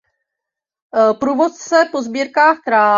Průvodce po sbírkách král.